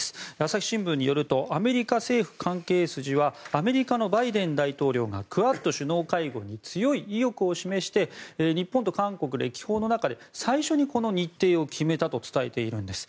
朝日新聞によるとアメリカ政府関係筋はアメリカのバイデン大統領がクアッド首脳会合に強い意欲を示して日本と韓国歴訪の中で最初にこの日程を決めたと伝えているんです。